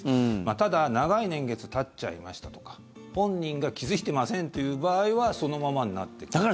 ただ、長い年月たっちゃいましたとか本人が気付いてませんという場合はそのままになってたりとか。